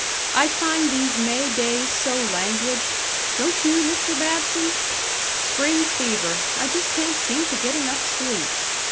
I find these May days so languid. Don't you, Mr. Babson? Spring fever. I just can't seem to get enough sleep....